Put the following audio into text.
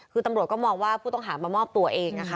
คือตำรวจก็มองว่าผู้ต้องหามามอบตัวเองนะคะ